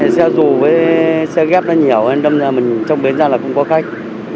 xe rù với xe ghép nó nhiều hơn trong bến ra là không có khách